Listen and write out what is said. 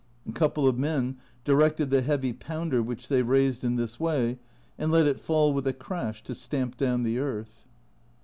A couple of men directed the heavy pounder which they raised in this way, and let it fall with a crash to stamp down the earth.